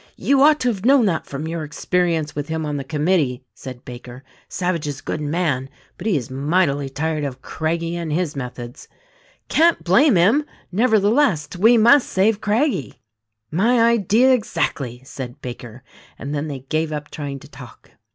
You ought to have known that from your experience with him on the commit tee," said Baker. "Savage is a good man, but he is mightily tired of Craggie and his methods." "Can't blame him ! Nevertheless, we must save Crag gie." "My idea exactly," said Baker, and then they gave up trying to talk.